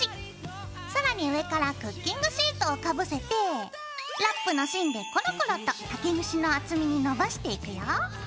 更に上からクッキングシートをかぶせてラップの芯でコロコロと竹串の厚みにのばしていくよ。